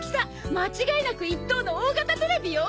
間違いなく１等の大型テレビよ！